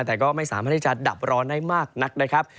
แต่ก็ไม่สามารถที่จะดับร้อนได้มากนักนะครับ